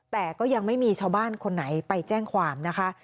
แต่ก็ยังไม่มีชาวบ้านคนไหนไปแจ้งความนะคะ